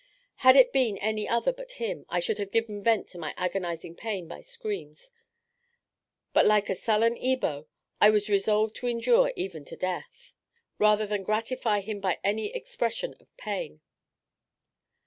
Had it been any other but him, I should have given vent to my agonizing pain by screams, but like a sullen Ebo, I was resolved to endure even to death, rather than gratify him by any expression of pain.